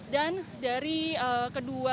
dan dari perangkat yang diperlukan